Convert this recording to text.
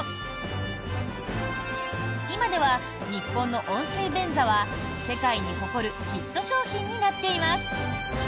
今では日本の温水便座は世界に誇るヒット商品になっています。